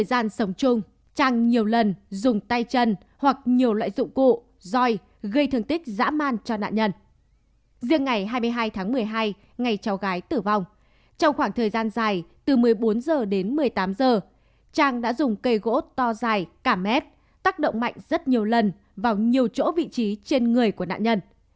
riêng ngày hai mươi hai tháng một mươi hai ngày cháu gái tử vong trong khoảng thời gian dài từ một mươi bốn h đến một mươi tám h trang đã dùng cây gỗ to dài cả mét tác động mạnh rất nhiều lần vào nhiều chỗ vị trí trên người của nạn nhân